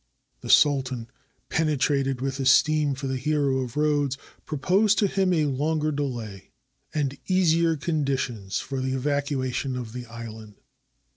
The sultan, penetrated with es teem for the hero of Rhodes, proposed to him a longer delay, and easier conditions for the evacuation of the island.